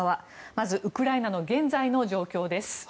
まずウクライナの現在の状況です。